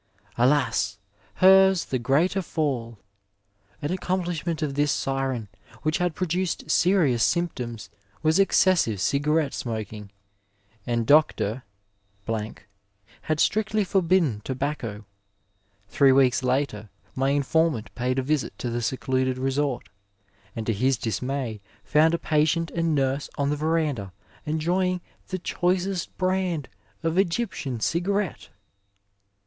Alas ! hers the greater fall ! An accomplishment of this siren, which had produced serious symptoms, was excessive cigarette smoking, and Dr. had strictly forbidden tobacco. Three weeks later, my informant paid a visit to the secluded resort, and to his dismay foimd patient and nurse on the verandah enjoying the choicest brand of Egyptian cigarette